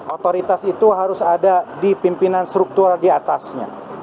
otoritas itu harus ada di pimpinan struktural di atasnya